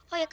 oh ya kak